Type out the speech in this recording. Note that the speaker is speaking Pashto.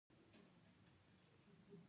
نوښتګر په ازاد فکر کولو پیل کوي.